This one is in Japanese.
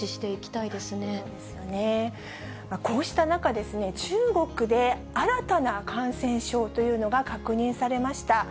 そうですね、こうした中、中国で新たな感染症というのが確認されました。